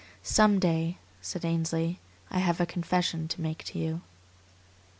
"Some day," said Ainsley, "I have a confession to make to you."